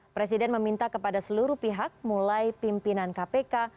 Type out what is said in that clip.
presiden meminta kepada seluruh pihak mulai pimpinan kpk